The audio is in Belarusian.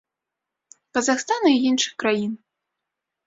Казахстана і іншых краін.